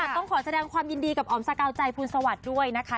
ต้องขอแสดงความยินดีกับอ๋อมสกาวใจภูลสวัสดิ์ด้วยนะคะ